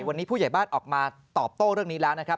วันนี้ผู้ใหญ่บ้านออกมาตอบโต้เรื่องนี้แล้วนะครับ